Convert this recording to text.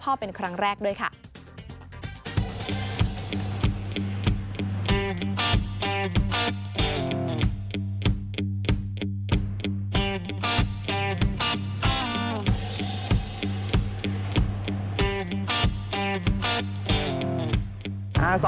พร้อมกับเปิดใจถึงความรู้สึกที่ได้พบหน้าพ่อเป็นครั้งแรกด้วยค่ะ